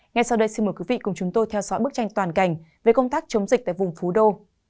ngay sau đây xin mời quý vị cùng chúng tôi theo dõi bức tranh toàn cảnh về công tác chống dịch tại vùng phú đô